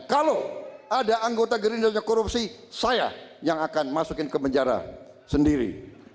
kalau ada anggota gerindranya korupsi saya yang akan masukin ke penjara sendiri